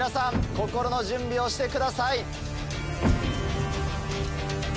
心の準備をしてください。